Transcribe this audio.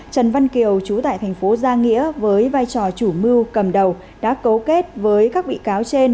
trần văn kiều trú tại tp gia nghĩa với vai trò chủ mưu cầm đầu đã cấu kết với các bị cáo trên